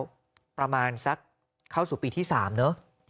ก็ประมาณสักเข้าสู่ปีที่๓เนอะ